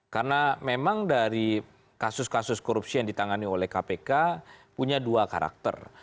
karena memang dari kasus kasus korupsi yang ditangani oleh kpk punya dua karakter